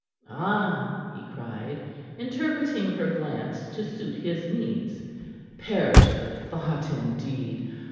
"Ah!" he cried, interpreting her glance to suit his ends, "perish the thought, indeed!